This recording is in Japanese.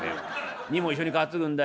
荷も一緒に担ぐんだよ